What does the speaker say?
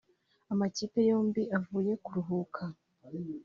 Amakipe yombi avuye kuruhuka